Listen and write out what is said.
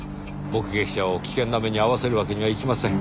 目撃者を危険な目に遭わせるわけにはいきません。